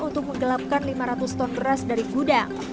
untuk menggelapkan lima ratus ton beras dari gudang